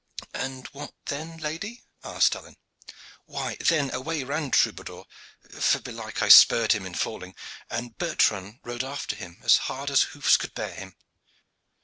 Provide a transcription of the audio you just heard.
"And what then, lady?" asked Alleyne. "Why, then away ran Troubadour, for belike I spurred him in falling, and Bertrand rode after him as hard as hoofs could bear him.